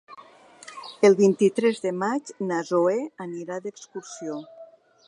El vint-i-tres de maig na Zoè anirà d'excursió.